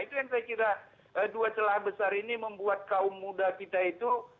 itu yang saya kira dua celah besar ini membuat kaum muda kita itu